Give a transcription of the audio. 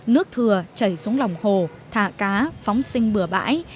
nước thừa chảy xuống lòng hồ thả cá phóng sinh bừa bãi